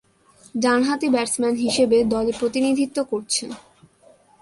ডানহাতি ব্যাটসম্যান হিসেবে দলে প্রতিনিধিত্ব করছেন।